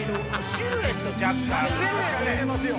シルエット似てますよ。